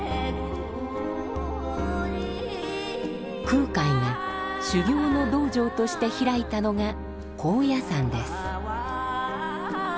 空海が修行の道場として開いたのが高野山です。